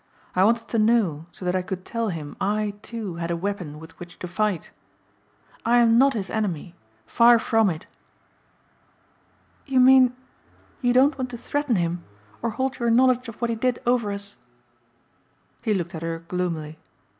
"I wanted to know so that I could tell him I, too, had a weapon with which to fight. I am not his enemy, far from it." "You mean you don't want to threaten him or hold your knowledge of what he did over us?" He looked at her gloomily.